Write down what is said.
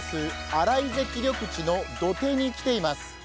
洗堰緑地の土手に来ています。